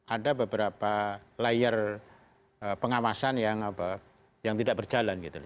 ada beberapa layer pengawasan yang tidak berjalan gitu